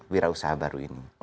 wira usaha baru ini